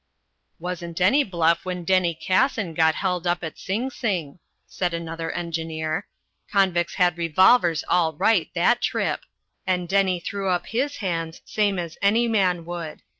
"Wasn't any bluff when Denny Cassin got held up at Sing Sing," said another engineer. "Convicts had revolvers all right that trip, and Denny threw up his hands same as any man would.